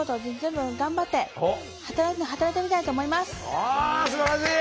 あすばらしい！